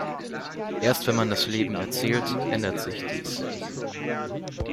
Erst wenn man das Leben erzählt, ändert sich dies.